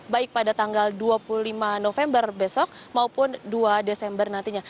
baik pada tanggal dua puluh lima november besok maupun dua desember nantinya